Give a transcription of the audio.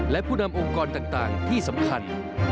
และผู้นำองค์กรต่างที่สำคัญ